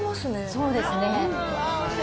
そうですね。